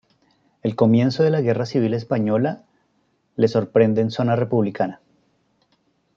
El comienzo de la Guerra Civil Española le sorprende en zona republicana.